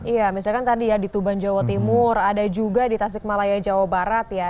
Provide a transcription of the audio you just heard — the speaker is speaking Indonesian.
iya misalkan tadi ya di tuban jawa timur ada juga di tasik malaya jawa barat ya